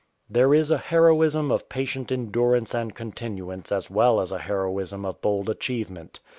There is a heroism of patient endurance and continuance as well as a heroism of bold achievement.